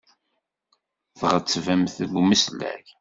Tɣettbemt deg umeslay.